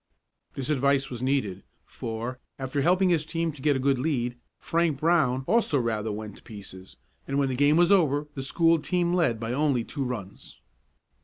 This advice was needed, for, after helping his team to get a good lead, Frank Brown also rather went to pieces and when the game was over the school team led by only two runs.